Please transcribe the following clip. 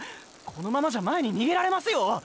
このままじゃ前に逃げられますよ